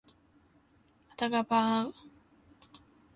頭がパーン